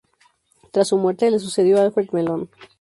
Tras su muerte, le sucedió Alfred Mellon.